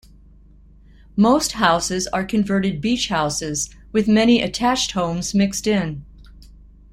Most houses are converted beach houses with many attached homes mixed in.